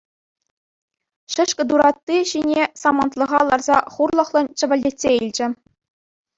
Шӗшкӗ туратти ҫине самантлӑха ларса хурлӑхлӑн чӗвӗлтетсе илчӗ.